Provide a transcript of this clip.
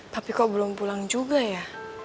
tapi kok belum pulang juga ya